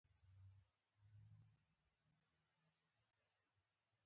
کېدی شي زه هم ورسره درشم